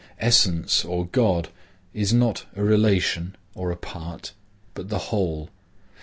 Essence, or God, is not a relation or a part, but the whole.